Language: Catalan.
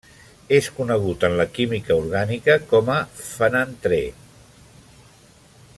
És conegut en la química orgànica com a fenantrè.